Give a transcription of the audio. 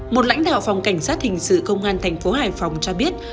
một lãnh đạo phòng cảnh sát hình sự công an tp hải phòng cho biết